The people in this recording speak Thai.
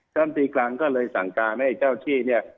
ชาวนัลธรรมตรอเอกตาลธุรกรรมประหลาดก็เลยสั่งการให้เจ้าที่เนี่ย